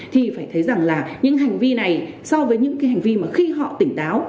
thì phải thấy rằng là những hành vi này so với những cái hành vi mà khi họ tỉnh táo